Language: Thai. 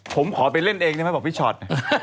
ผมขอไปเล่นเองได้ไหมบอกพี่ชอต